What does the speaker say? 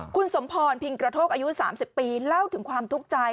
คุณสมพรพิงกระโทกอายุ๓๐ปีเล่าถึงความทุกข์ใจ